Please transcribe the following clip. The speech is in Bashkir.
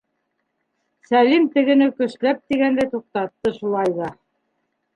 Сәлим тегене көсләп тигәндәй туҡтатты шулай ҙа.